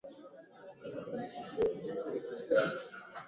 Ikiwa amelala usingizi baada ya chakula cha jioni